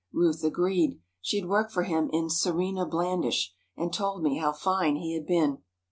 Ruth agreed. She had worked for him in 'Serena Blandish,' and told me how fine he had been.